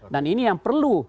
dan ini yang perlu